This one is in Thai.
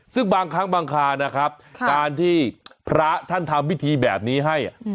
ซึ่งบางครั้งบางครานะครับการที่พระท่านทำพิธีแบบนี้ให้